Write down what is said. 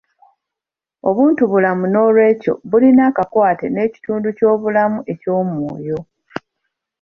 Obuntubulamu n'olwekyo bulina akakwate n'ekitundu ky'obulamu eky'omwoyo